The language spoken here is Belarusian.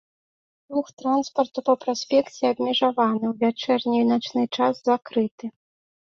Рух транспарту па праспекце абмежаваны, у вячэрні і начны час закрыты.